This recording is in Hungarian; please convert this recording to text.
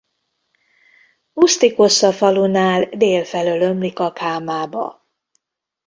Uszty-Kosza falunál dél felől ömlik a Kámába.